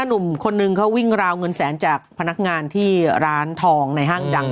หนุ่มคนนึงเขาวิ่งราวเงินแสนจากพนักงานที่ร้านทองในห้างดัง